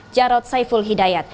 jarod saiful hidayat